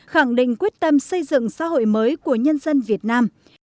khẳng định quyết tâm xây dựng xã hội mới của nhân dân việt nam